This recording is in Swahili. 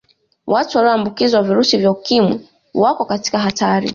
watu waliyoambikizwa virusi vya ukimwi wako katika hatari